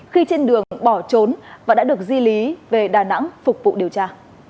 khi trên đường bỏ trốn và đã được di lý về đà nẵng phục vụ điều tra